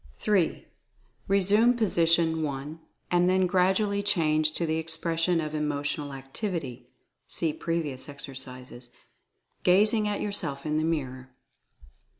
3. Resume position 1, and then gradually change to the expression of Emotional Activity (see previous exercises), gazing at yourself in the mirror.